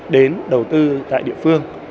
đến đầu tư tại địa phương